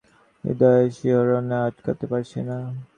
Miss Charlotte, আমি আর আমার হৃদয়ের শিহরণকে আটকাতে পারছি না।